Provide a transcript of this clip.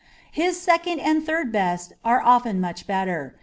His second and third best are often much better.